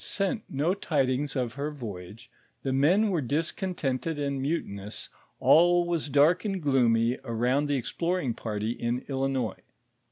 101 sent no tidings of her voyage, the men were discontented and mutinous, all was dark and gloomy around the exploring party in Illinois.